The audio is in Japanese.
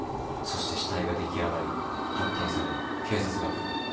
そして死体が出来上がり発見され警察が来る。